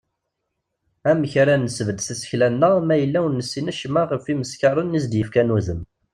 Amek ara nesbedd tasekla-nneɣ ma yella ur nessin acemma ɣef yimeskaren i as-yefkan udem?